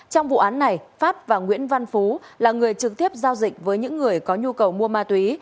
trong vụ án này phát và nguyễn văn phú là người trực tiếp giao dịch với những người có nhu cầu mua ma túy